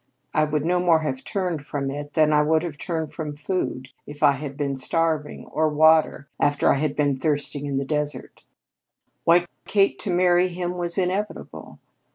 I would no more have turned from it than I would have turned from food, if I had been starving; or water after I had been thirsting in the desert. Why, Kate, to marry him was inevitable!